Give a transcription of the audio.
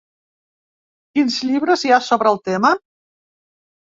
Quins llibres hi ha sobre el tema?